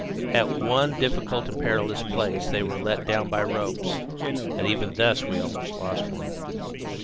At one difficult and perilous place they were let down by ropes; and even thus we almost lost one.